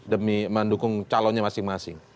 demi mendukung calonnya masing masing